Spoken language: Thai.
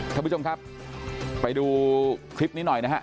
ท่านผู้ชมครับไปดูคลิปนี้หน่อยนะฮะ